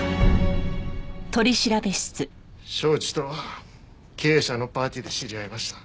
庄司とは経営者のパーティーで知り合いました。